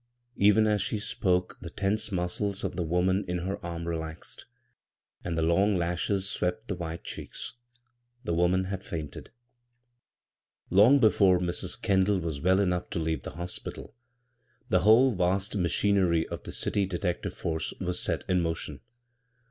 Even as she spoke the tense muscles of the woman in her arms relaxed, and the long lashes swept the white cheeks. The woman had kinted. Long before Mrs. Kendall was well enough to leave the hospital, the whole vast machin ery of the dty detective force was set in motion.